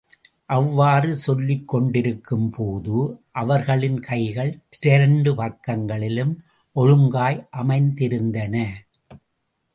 அவ்வாறு சொல்லிக் கொண்டிருக்கும் போது, அவர்களின் கைகள் இரண்டு பக்கங்களிலும் ஒழுங்காய் அமைந்திருந்தன.